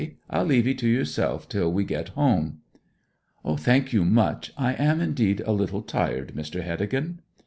I'll leave 'ee to yourself till we get home.' 'Thank you much. I am indeed a little tired, Mr. Heddegan.'